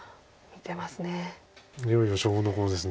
いよいよ勝負どころです